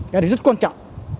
cái này rất quan trọng